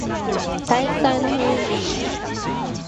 体育祭の雰囲気すき